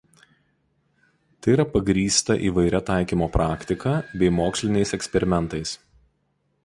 Tai yra pagrįsta įvairia taikymo praktika bei moksliniais eksperimentais.